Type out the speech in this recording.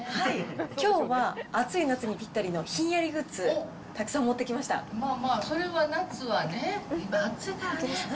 きょうは暑い夏にぴったりのひんやりグッズ、たくさん持ってまあまあ、それは夏はね、今暑いからね。